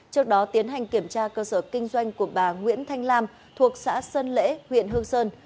trước đó tiến hành kiểm tra cơ sở kinh doanh của bà nguyễn thanh lam thuộc xã sơn lễ huyện hương sơn